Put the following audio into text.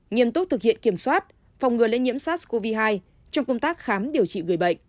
nghiêm túc thực hiện kiểm soát phòng ngừa lây nhiễm sars cov hai trong công tác khám điều trị người bệnh